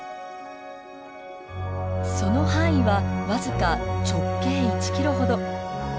その範囲は僅か直径１ｋｍ程。